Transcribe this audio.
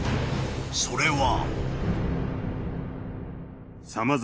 ［それは］